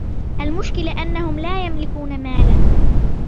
المشكلة أنهم لا يملكون مالا.